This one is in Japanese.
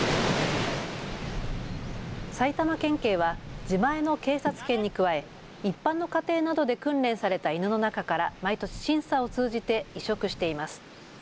埼玉県警は自前の警察犬に加え一般の家庭などで訓練された犬の中から毎年審査を通じて委嘱しています。